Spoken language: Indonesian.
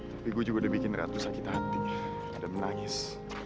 tapi gue juga udah bikin ratu sakit hati dan menangis